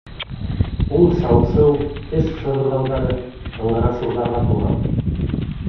Ул шау-шыу, теш шығырҙауҙары, ыңғырашыуҙарға тулған.